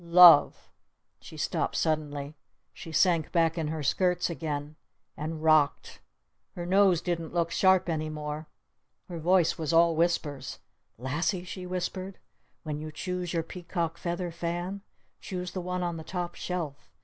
Love !" She stopped suddenly. She sank back in her skirts again. And rocked! Her nose didn't look sharp any more. Her voice was all whispers. "Lassie," she whispered, "when you choose your Peacock Feather Fan choose the one on the top shelf!